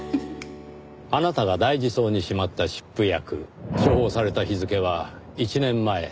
あなたが大事そうにしまったシップ薬処方された日付は１年前。